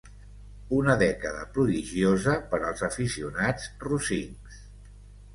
Una dècada prodigiosa per als aficionats rosincs.